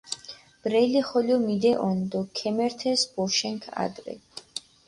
ბრელი ხოლო მიდეჸონ დო ქემერთეს ბოშენქ ადრე.